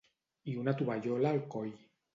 I una tovallola al coll.